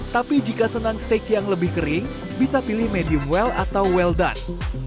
tapi jika senang steak yang lebih kering bisa pilih medium well atau well don